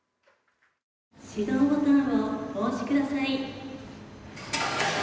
始動ボタンをお押しください。